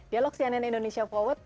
dialog cnn indonesia forward